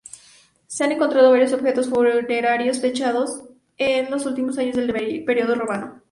Se han encontrado varios objetos funerarios fechados en los últimos años del periodo romano.